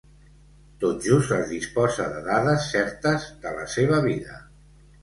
Tot just es disposa de dades certes de la seva vida.